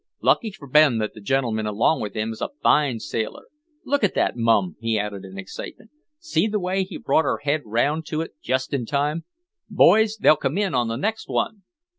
Lucky for Ben that the gentleman along with him is a fine sailor. Look at that, mum!" he added in excitement. "See the way he brought her head round to it, just in time. Boys, they'll come in on the next one!"